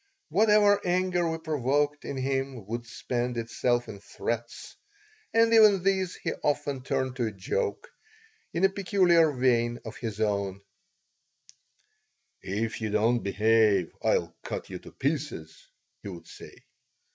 Whatever anger we provoked in him would spend itself in threats, and even these he often turned to a joke, in a peculiar vein of his own "If you don't behave I'll cut you to pieces," he would say.